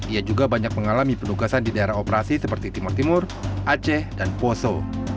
ia juga banyak mengalami penugasan di daerah operasi seperti timur timur aceh dan poso